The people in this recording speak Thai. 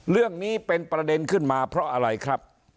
เรื่องนี้เป็นประเด็นขึ้นมาเพราะอะไรครับ